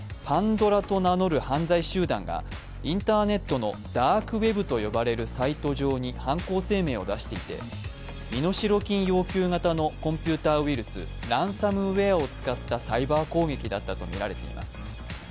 Ｐａｎｄｏｒａと名乗る犯罪集団がインターネットのダークウェブと呼ばれるサイト上に犯行声明を出していて身代金要求型のコンピューターウイルス、ランサムウェアを使ったサイバー攻撃だったとみられています。